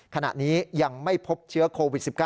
ขณะนี้ยังไม่พบเชื้อโควิด๑๙